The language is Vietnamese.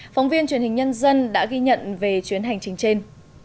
phóng viên truyền hình nhân dân đã ghi nhận về chuyến hành trình trên